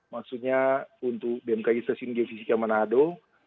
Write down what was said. maksudnya untuk bmkg stasiun geofisika manado